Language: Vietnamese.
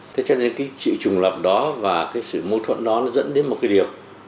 thế cho nên cái trị trùng lập đó và cái sự mâu thuẫn đó nó dẫn đến một cái điều